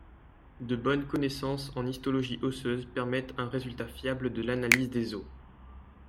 De bonnes connaissances en histologie osseuse permettent un résultat fiable de l'analyse des os.